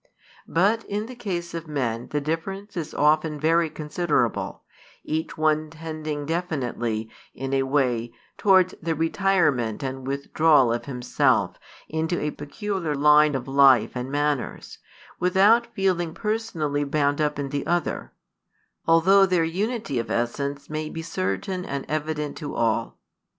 But in the case of men the difference is often very considerable, each one tending definitely, in a way, towards a retirement and withdrawal of himself into a peculiar line of life and manners, without feeling personally bound up in the other; although their unity of essence may be certain and evident to all.